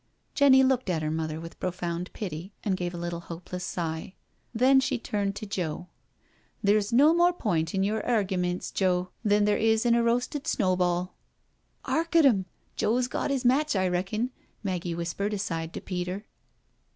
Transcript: Jenny looked at her mother with profound pity and gave a little hopeless sigh. Then she turned to Joe: " Theer's no more point in your argiments, Joe, than there is in a roasted snowball.'^ •' 'Ark at 'em I Joe's got 'is match, I reckon,'* Maggie whispered aside to Peter.